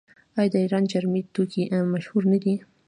آیا د ایران چرمي توکي مشهور نه دي؟